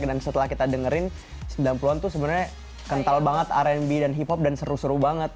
dan setelah kita dengerin sembilan puluh an tuh sebenarnya kental banget rnb dan hip hop dan seru seru banget